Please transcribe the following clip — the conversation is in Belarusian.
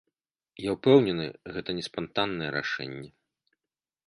Я ўпэўнены, гэта не спантаннае рашэнне.